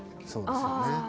そうですよね。